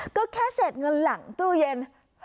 ก็แค่เศษเงินหลังตู้เย็น